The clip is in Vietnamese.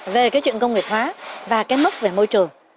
về cái chuyện công nghiệp hóa và cái mức về môi trường